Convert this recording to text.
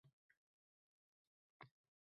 Insonda bir dard bor.